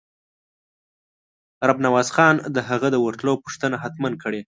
رب نواز خان د هغه د ورتلو پوښتنه حتماً کړې.